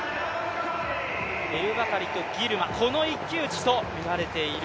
エルバカリとギルマこの一騎打ちとみられている